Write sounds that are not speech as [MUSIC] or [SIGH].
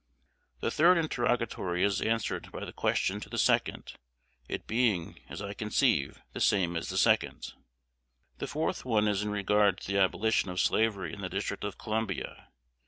[APPLAUSE] The third interrogatory is answered by the answer to the second, it being, as I conceive, the same as the second. The fourth one is in regard to the abolition of slavery in the District of Columbia.